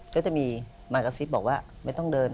ก็จะมีมากระซิบบอกว่าไม่ต้องเดิน